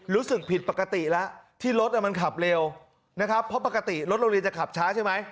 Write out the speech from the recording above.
รู้สึกผิดปกติแล้วที่รถมันขับเร็วนะครับเพราะปกติรถโรงเรียนจะขับช้าใช่ไหม